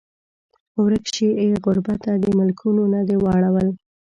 ورک شې ای غربته د ملکونو نه دې واړول